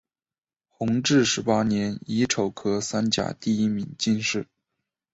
弘治十八年乙丑科三甲第一名进士。